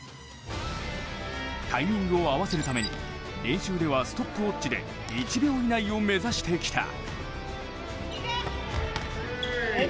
タイミングを合わせるために練習ではストップウォッチで１秒以内を目指してきた。